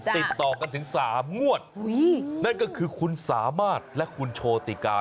ติดต่อกันถึง๓งวดนั่นก็คือคุณสามารถและคุณโชติกา